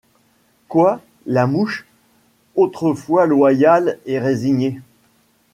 Quoi ! la. mouche, autrefois loyale et résignée